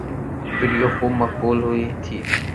video خوب مقبول ہوئی تھی